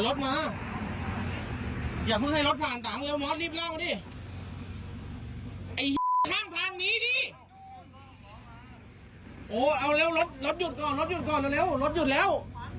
โอ๊ยรถอยู่ก่อนรถอยู่ก่อนรถอยู่แล้ว